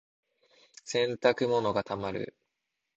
洗濯物が溜まる。